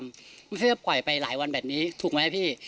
ไม่ใช่จะปล่อยไปหลายวันแบบนี้ถูกไหมพี่